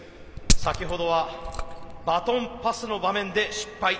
先ほどはバトンパスの場面で失敗。